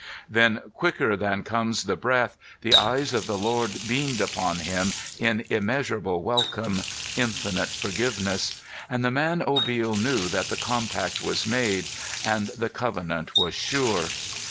Then quicker than comes the breath, the eyes of the Lord beamed upon him in immeasurable welcome, infinite forgiveness; and the man Obil knew that the compact was made, and the covenant was sure.